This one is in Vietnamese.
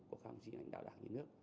của các hành trình đạo đảng nước